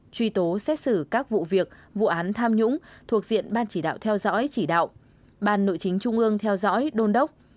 truy tố xét xử các vụ việc vụ án tham nhũng thuộc diện ban chỉ đạo theo dõi chỉ đạo ban nội chính trung ương theo dõi đôn đốc